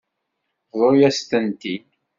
Bḍu-yas-tent-id.